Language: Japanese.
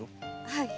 はい。